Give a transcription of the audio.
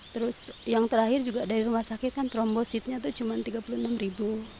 terus yang terakhir juga dari rumah sakit kan trombositnya itu cuma tiga puluh enam ribu